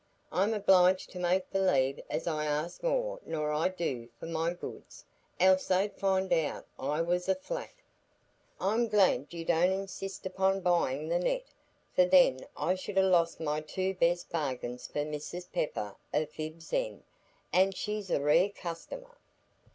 I'm obliged to make believe as I ask more nor I do for my goods, else they'd find out I was a flat. I'm glad you don't insist upo' buyin' the net, for then I should ha' lost my two best bargains for Mrs Pepper o' Fibb's End, an' she's a rare customer."